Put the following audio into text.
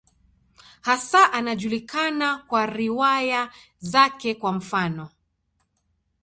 Hasa anajulikana kwa riwaya zake, kwa mfano.